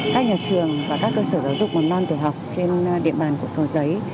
các nhà trường và các cơ sở giáo dục mầm non tiểu học trên địa bàn quận cầu giấy